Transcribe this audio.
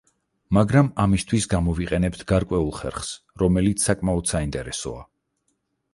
მაგრამ ამისთვის გამოვიყენებთ გარკვეულ ხერხს, რომელიც საკმაოდ საინტერესოა.